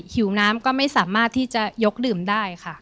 หิวน้ำก็ไม่สามารถที่จะยกดื่มได้ค่ะ